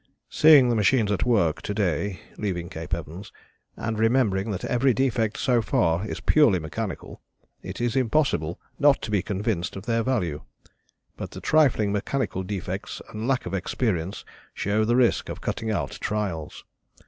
Seeing the machines at work to day [leaving Cape Evans] and remembering that every defect so far shown is purely mechanical, it is impossible not to be convinced of their value. But the trifling mechanical defects and lack of experience show the risk of cutting out trials.